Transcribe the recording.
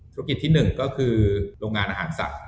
ธุรกิจที่๑ก็คือโรงงานอาหารสัตว